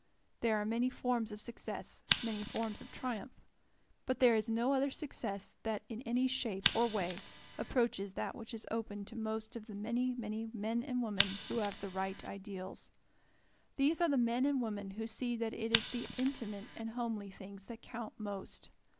There are many forms of success, many forms of triumph. But there is no other success that in any shape or way approaches that which is open to most of the many, many men and women who have the right ideals. These are the men and the women who see that it is the intimate and homely things that count most.